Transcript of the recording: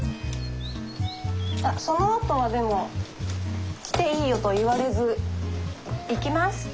あっそのあとはでも来ていいよと言われず行きますって。